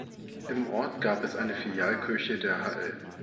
Im Ort gab es eine Filialkirche der hl.